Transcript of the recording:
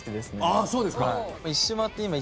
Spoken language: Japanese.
あそうですか。